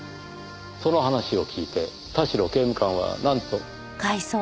その話を聞いて田代刑務官はなんと？